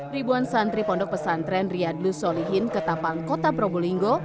ribuan santri pondok pesantren riyadlu solihin ke tapan kota probolinggo